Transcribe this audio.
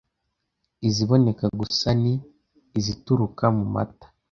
Iziboneka gusa ni izituruka mu mata